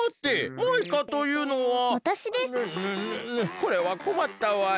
これはこまったわい。